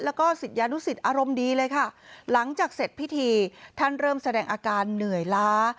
แล้วก็ศิษยานุสิตอารมณ์ดีเลยค่ะหลังจากเสร็จพิธีท่านเริ่มแสดงอาการเหนื่อยล้า